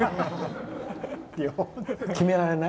決められない？